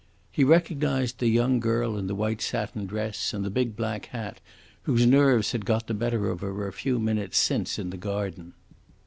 He recognised the young girl in the white satin dress and the big black hat whose nerves had got the better of her a few minutes since in the garden.